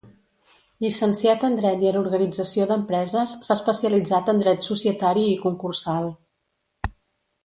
Llicenciat en dret i en organització d'empreses, s'ha especialitzat en dret societari i concursal.